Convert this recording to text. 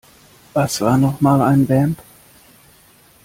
Was war nochmal ein Vamp?